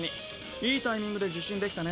いいタイミングで受信できたね。